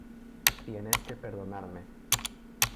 tienes que perdonarme.